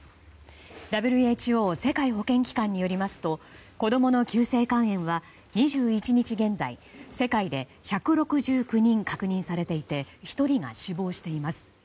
ＷＨＯ・世界保健機関によりますと子供の急性肝炎は２１日現在世界で１６９人確認されていて１人が死亡しています。